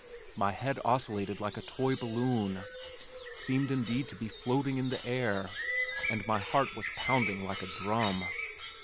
My head oscillated like a toy balloon, seemed indeed to be floating in the air, and my heart was pounding like a drum.